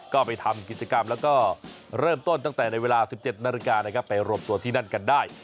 ก็ไปทำกิจกรรมแล้วก็เริ่มต้นตั้งแต่ในเวลา๑๗นาฬิกานะครับไปรวมตัวที่นั่นกันได้